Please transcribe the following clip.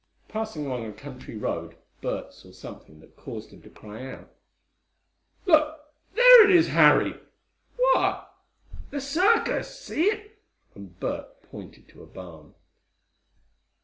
Passing along a country road Bert saw something that caused him to cry out: "Look, there it is, Harry!" "What?" "The circus! See it!" and Bert pointed to a barn.